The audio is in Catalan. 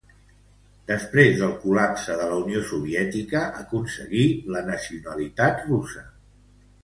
Després del Col·lapse de la Unió Soviètica aconseguí la nacionalitat russa.